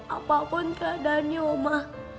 apapun keadaannya oma